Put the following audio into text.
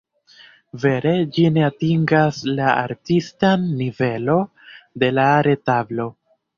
Vere ĝi ne atingas la artistan nivelo de la retablo.